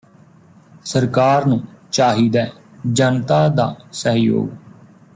ਸਰਕਾਰ ਨੂੰ ਚਾਹੀਦੈ ਜਨਤਾ ਦਾ ਸਹਿਯੋਗ